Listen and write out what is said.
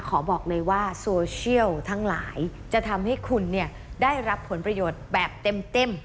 ขอบอกเลยว่าโซเชียลทั้งหลายจะทำให้คุณได้รับผลประโยชน์แบบเต็ม